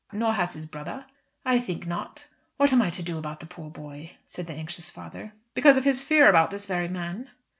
"Nor has his brother?" "I think not." "What am I to do about the poor boy?" said the anxious father. "Because of his fear about this very man?"